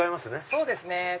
そうですね。